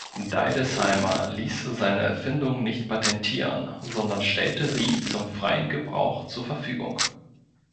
Deidesheimer ließ seine Erfindung nicht patentieren, sondern stellte sie zum freien Gebrauch zur Verfügung.